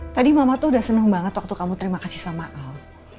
tadi mama tuh udah seneng banget waktu kamu terima kasih sama allah